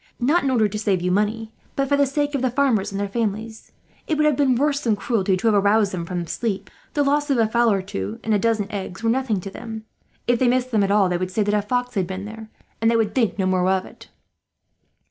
Not in order to save you money, but for the sake of the farmers and their families. It would have been worse than cruelty to have aroused them from sleep. The loss of a fowl or two, and of a dozen eggs, were nothing to them. If they missed them at all, they would say that a fox had been there, and they would think no more of it.